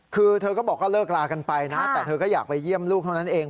คือเธอก็บอกว่าเลิกลากันไปนะแต่เธอก็อยากไปเยี่ยมลูกเท่านั้นเอง